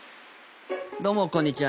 どうもこんにちは。